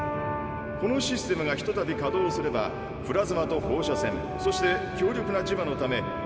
このシステムがひとたび稼動すればプラズマと放射線そして強力な磁場のため。